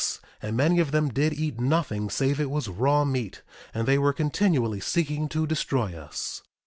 And many of them did eat nothing save it was raw meat; and they were continually seeking to destroy us.